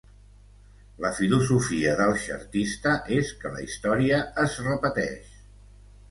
La filosofia del xartista és que "la història es repeteix".